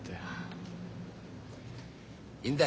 いいんだよ